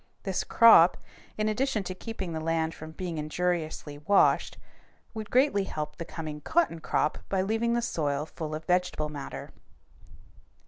This crop, in addition to keeping the land from being injuriously washed, would greatly help the coming cotton crop by leaving the soil full of vegetable matter.